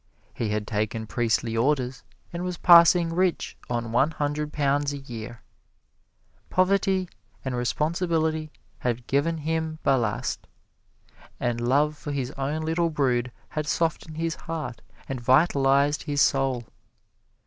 He had taken priestly orders and was passing rich on one hundred pounds a year. Poverty and responsibility had given him ballast, and love for his own little brood had softened his heart and vitalized his soul.